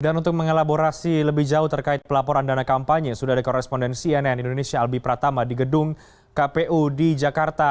dan untuk mengelaborasi lebih jauh terkait pelaporan dana kampanye sudah ada korespondensi nn indonesia albi pratama di gedung kpu di jakarta